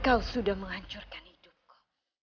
kamu sudah menghancurkan hidupku